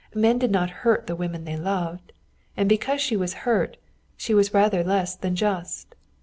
Men did not hurt the women they loved. And because she was hurt, she was rather less than just.